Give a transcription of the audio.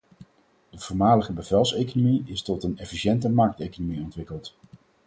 De voormalige bevelseconomie is tot een efficiënte markteconomie ontwikkeld.